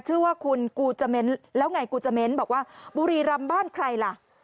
ชื่อว่าคุณกูจะเม้นแล้วไงกูจะเม้นบอกว่าบุรีรำบ้านใครล่ะ